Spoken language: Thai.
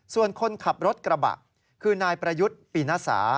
ส่วนคนขับรถกระบะคือนายประยุทธ์ปีนสา